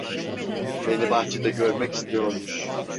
Beni bahçede görmek istiyormuş!